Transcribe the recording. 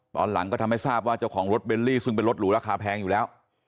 ตอนหลังก็ทำให้ทราบว่าเจ้าของรถเบลลี่ซึ่งเป็นรถหรูราคาแพงอยู่แล้ว